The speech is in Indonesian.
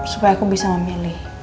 supaya aku bisa memilih